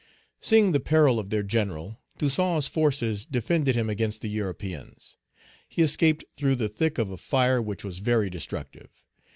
Seeing the peril of their general, Toussaint's forces defended him against the Europeans. He escaped through the thick of a fire which was very destructive.